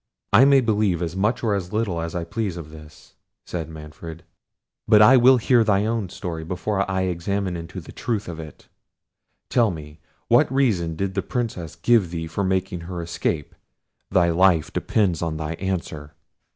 "I may believe as much or as little as I please of this," said Manfred; "but I will hear thy own story before I examine into the truth of it. Tell me, what reason did the Princess give thee for making her escape? thy life depends on thy answer."